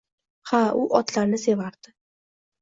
Ha, u otlarni sevardi